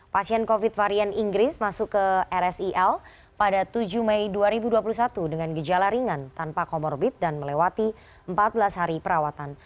pasien covid varian inggris masuk ke rsil pada tujuh mei dua ribu dua puluh satu dengan gejala ringan tanpa comorbid dan melewati empat belas hari perawatan